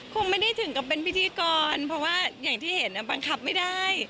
คงไม่ได้ถึงกับเป็นพิธีกรเพราะว่าอย่างที่เห็นบังคับไม่ได้